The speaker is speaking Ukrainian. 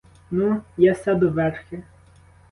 Ну, я сяду верхи!